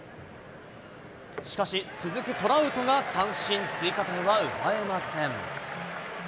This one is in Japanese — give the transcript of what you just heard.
しかし、続くトラウトが三振、追加点は奪えません。